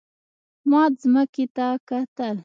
ما ځمکې ته کتل.